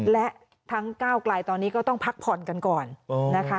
และทั้งก้าวกลายตอนนี้ก็ต้องพักผ่อนกันก่อนนะคะ